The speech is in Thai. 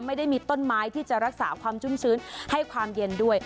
ไม่ได้มีต้นไม้ที่จะรักษาความชุ่มชื้นให้ความเย็นด้วย